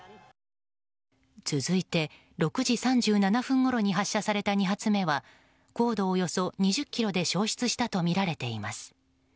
続いて６時３７分ごろに発射された２発目は高度およそ２０ｋｍで消失したとみられています。